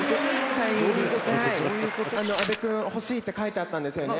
「サイン入り」「阿部君欲しいって書いてあったんですよね